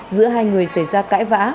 giữa hai người xảy ra cãi vã